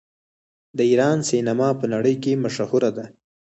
د ایران سینما په نړۍ کې مشهوره ده.